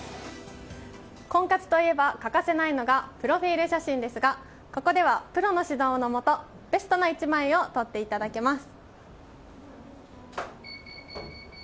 婚活といえば欠かせないのがプロフィール写真ですがここではプロの指導のもとベストな１枚を撮っていただけます。